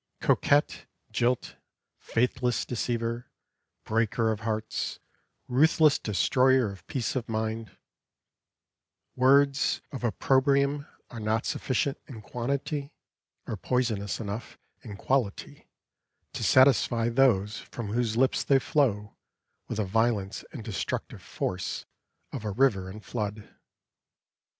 Coquette, jilt, faithless deceiver, breaker of hearts, ruthless destroyer of peace of mind, words of opprobrium are not sufficient in quantity, or poisonous enough in quality, to satisfy those from whose lips they flow with the violence and destructive force of a river in flood.